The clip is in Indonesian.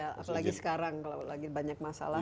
apalagi sekarang kalau lagi banyak masalah